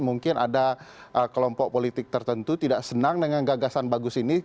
mungkin ada kelompok politik tertentu tidak senang dengan gagasan bagus ini